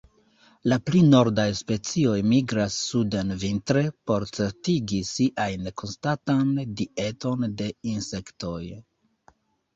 La pli nordaj specioj migras suden vintre, por certigi siajn konstantan dieton de insektoj.